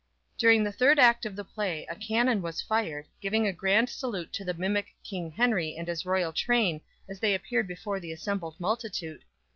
During the third act of the play a cannon was fired, giving a grand salute to the mimic King Henry and his royal train as they appeared before the assembled multitude.